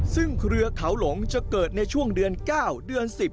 ซึ่งเครือเขาหลงจะเกิดในช่วงเดือน๙เดือน๑๐